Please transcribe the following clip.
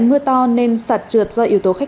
mưa to nên sạt trượt do yếu tố khách